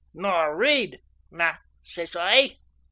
"Nor read?" "Na," says I.